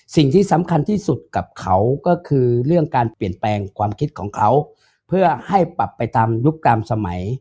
สิ่งที่สำคัญที่สุดกับเขาก็คือเรื่องการเปลี่ยนแปลงความคิดของเขาเพื่อให้ปรับไปตามยุคกรรมสมัย